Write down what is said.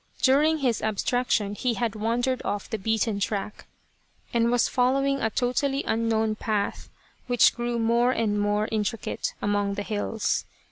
During his abstraction he had wandered off the beaten track, and was following a totally unknown path which grew more and more intricate among the hills.